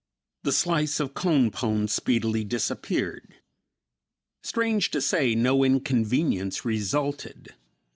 The slice of "co'n pone" speedily disappeared. Strange to say, no inconvenience resulted.